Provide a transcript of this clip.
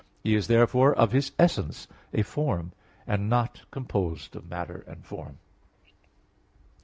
He is therefore of His essence a form; and not composed of matter and form.